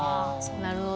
なるほど。